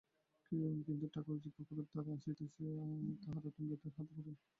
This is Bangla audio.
কিন্তু ঠাকুরঝি পুকুরের ধারে আসিতেই তাঁহারা ঠ্যাঙাড়েদের হাতে পড়েন।